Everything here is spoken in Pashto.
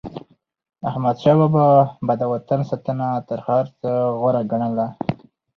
احمدشاه بابا به د وطن ساتنه تر هر څه غوره ګڼله.